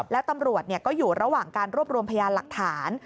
แล้วตำรวจก็อยู่ระหว่างการรวบรวมพยานหลักฐาน